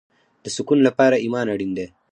د سکون لپاره ایمان اړین دی